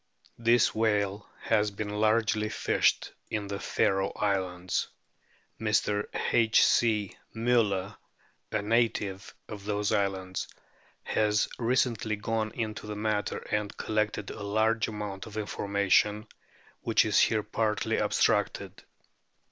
This whale has been largely fished in the Faroe Islands. Mr. H. C. M tiller, a native of those islands, has recently gone into the matter and collected a large amount of information, which is here partly abstracted.